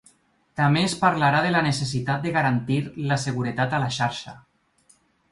També es parlarà de la necessitat de garantir la seguretat a la xarxa.